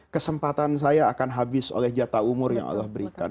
kesempatan saya akan habis oleh jatah umur yang allah berikan